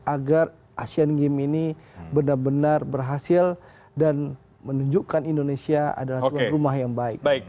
agar asean games ini benar benar berhasil dan menunjukkan indonesia adalah tuan rumah yang baik